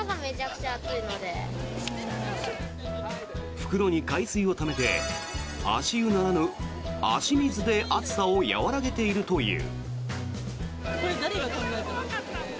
袋に海水をためて足湯ならぬ足水で暑さを和らげているという。